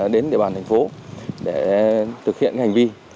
đến địa bàn thành phố để thực hiện hành vi